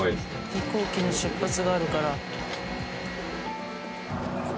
飛行機の出発があるから。